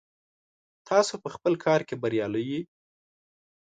تاسو په خپل کار کې بریالي یئ.